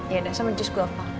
ya udah sama jus guava